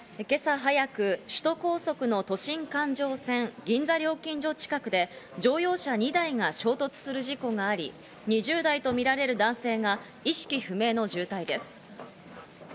今朝早く、首都高速の都心環状線・銀座料金所近くで乗用車２台が衝突する事故があり、２０代とみられる男性が意識不明の重体です。